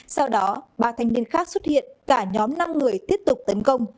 sau đó ba thanh niên khác xuất hiện cả nhóm năm người tiếp tục tấn công